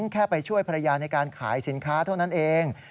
แค่ไปช่วยภรรยาในการขายสินค้าเท่านั้นเอง